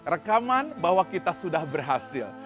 rekaman bahwa kita sudah berhasil